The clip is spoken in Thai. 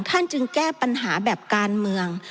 ท่านจึงแก้ปัญหาแบบการเมือง